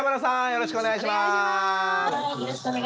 よろしくお願いします。